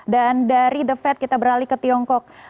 dan dari the fed kita beralih ke tiongkok